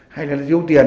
hay là nó thiếu tiền